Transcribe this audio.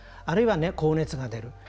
あるいは高熱が出る。